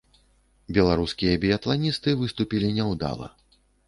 Беларускія біятланісты выступілі няўдала.